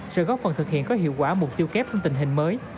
sẽ góp phần thực hiện có hiệu quả mục tiêu kép trong tình hình mới